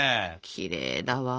きれいだわ。